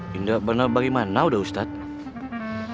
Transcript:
tidak benar bagaimana udah ustadz